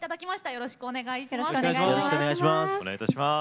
よろしくお願いします。